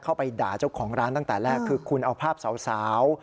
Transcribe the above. เข้าไปด่าเจ้าของร้านตั้งแต่แรกคือคุณเอาภาพสาว